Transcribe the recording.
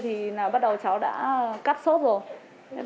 thì bắt đầu cháu đã cắt sốt rồi